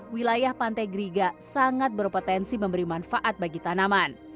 wilayah pantai griga sangat berpotensi memberi manfaat bagi tanaman